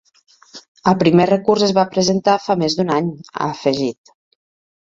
El primer recurs es va presentar fa més d’un any, ha afegit.